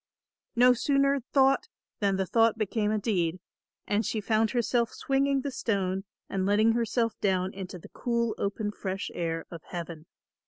No sooner thought than the thought became a deed, and she found herself swinging the stone and letting herself down into the cool open fresh air of heaven.